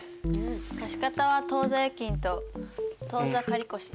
貸方は当座預金と当座借越だね。